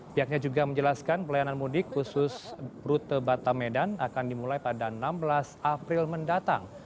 pihaknya juga menjelaskan pelayanan mudik khusus rute batamedan akan dimulai pada enam belas april mendatang